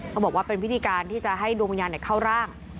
เขาบอกว่าเป็นพิธีการที่จะให้ดวงวิญญาณเข้าร่าง